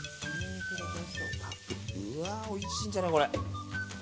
おいしいんじゃない、これ。